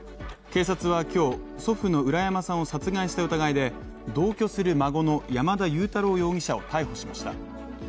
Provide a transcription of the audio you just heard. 警察は今日、祖父の浦山さんを殺害した疑いで同居する孫の山田悠太郎容疑者を逮捕しました。